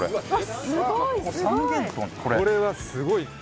これはすごい。